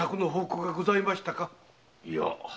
いや。